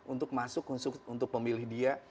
untuk masuk untuk pemilih dia